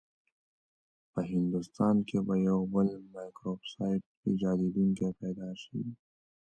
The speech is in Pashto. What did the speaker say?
په هندوستان کې به یو بل مایکروسافټ ایجادونکی پیدا شي.